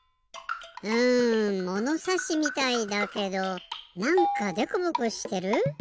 うんものさしみたいだけどなんかでこぼこしてる？